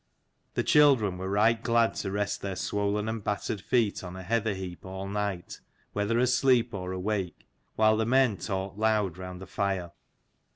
The children were right glad to rest their swollen and battered feet on a heather heap all night, whether asleep or awake, while the men talked loud round the fire.